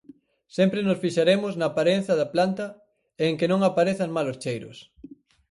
Sempre nos fixaremos na aparencia da planta e en que non aparezan malos cheiros.